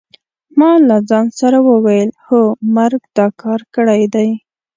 ما له ځان سره وویل: هو مرګ دا کار کړی دی.